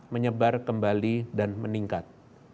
menyebar kembali dan meningkat